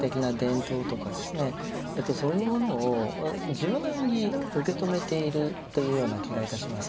そういうものを柔軟に受け止めているというような気がいたします。